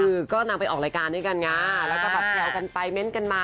คือก็นางไปออกรายการด้วยกันไงแล้วก็แบบแซวกันไปเม้นต์กันมา